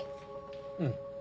うん。